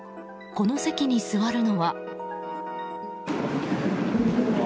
この席に座るのは。